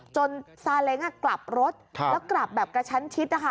ซาเล้งกลับรถแล้วกลับแบบกระชั้นชิดนะคะ